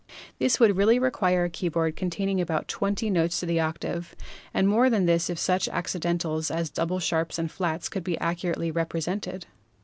This would really require a keyboard containing about twenty notes to the octave, and more than this if such acci dentals as double sharps and flats be accurately repre sented!